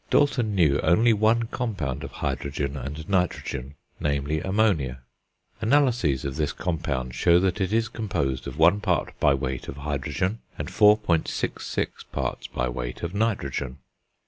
Dalton knew only one compound of hydrogen and nitrogen, namely, ammonia. Analyses of this compound show that it is composed of one part by weight of hydrogen and 4.66 parts by weight of nitrogen.